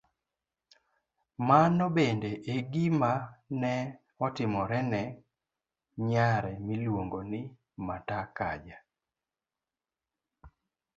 Mano bende e gima ne otimore ne nyare miluongo ni Mata Kaja,